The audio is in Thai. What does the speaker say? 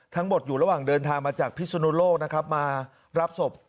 ทั้งหมดอยู่ระหว่างเดินทางมาจากพิสุนุโลกนะครับมารับศพ